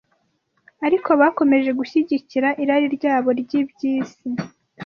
Ariko bakomeje gushyigikira irari ryabo ry’iby’isi